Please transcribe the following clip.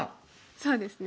そうですね。